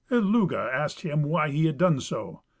Illugi asked him why he had done so.